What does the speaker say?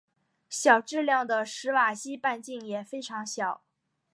小质量的史瓦西半径也非常小。